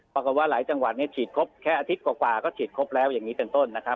ปรากฏว่าหลายจังหวัดเนี่ยฉีดครบแค่อาทิตย์กว่าก็ฉีดครบแล้วอย่างนี้เป็นต้นนะครับ